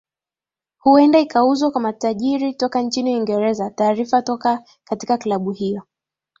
huenda ikauzwa kwa matajiri toka nchini uingereza taarifa toka katika klabu hiyo